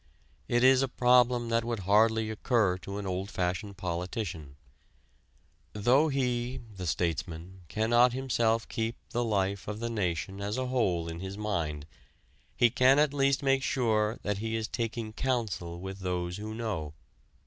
It is a problem that would hardly occur to an old fashioned politician: "Though he (the statesman) cannot himself keep the life of the nation as a whole in his mind, he can at least make sure that he is taking counsel with those who know...."